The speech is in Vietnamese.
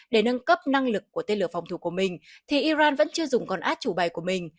để nâng cấp năng lực của tên lửa phòng thủ của mình thì iran vẫn chưa dùng con át chủ bài của mình